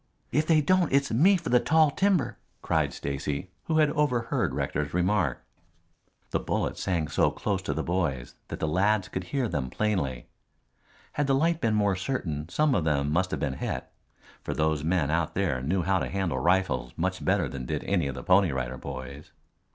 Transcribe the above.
"If they don't it's me for the tall timber," cried Stacy, who had overheard Rector's remark. The bullets sang so close to the boys that the lads could hear them plainly. Had the light been more certain some of them must have been hit, for those men out there knew how to handle rifles much better than did any of the Pony Rider Boys.